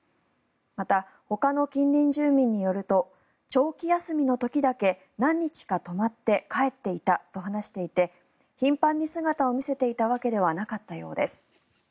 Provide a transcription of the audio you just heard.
また、ほかの近隣住民によると長期休みの時だけ何日か泊まって帰っていたと話していて頻繁に姿を見せていたわけではなかったようです。